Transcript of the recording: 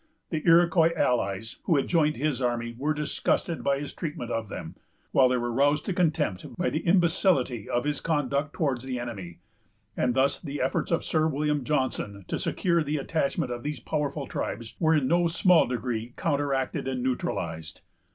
The Iroquois allies, who had joined his army, were disgusted by his treatment of them, while they were roused to contempt by the imbecility of his conduct towards the enemy; and thus the efforts of Sir William Johnson to secure the attachment of these powerful tribes were in no small degree counteracted and neutralized.